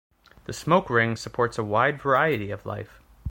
The Smoke Ring supports a wide variety of life.